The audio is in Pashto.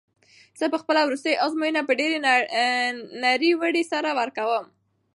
زه به خپله وروستۍ ازموینه په ډېرې نره ورۍ سره ورکوم.